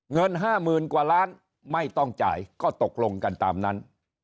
เงิน๕๐๐๐กว่าล้านไม่ต้องจ่ายก็ตกลงกันตามนั้น